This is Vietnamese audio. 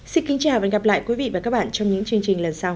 xin kính chào và hẹn gặp lại quý vị và các bạn trong những chương trình lần sau